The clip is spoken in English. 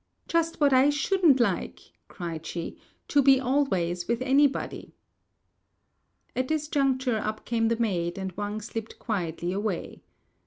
"Just what I shouldn't like," cried she, "to be always with anybody." At this juncture up came the maid, and Wang slipped quietly away.